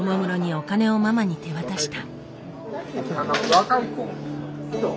お金をママに手渡した。